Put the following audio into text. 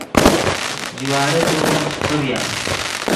جوارے توغیم چے پریم